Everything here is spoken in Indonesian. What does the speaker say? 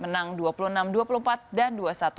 menang dua puluh enam dua puluh empat dan dua satu